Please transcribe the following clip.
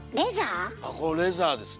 これレザーですね。